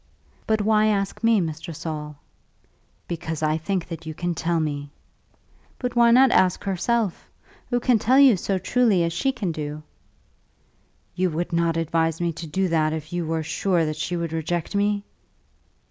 "But why ask me, Mr. Saul?" "Because I think that you can tell me." "But why not ask herself? Who can tell you so truly as she can do?" "You would not advise me to do that if you were sure that she would reject me?"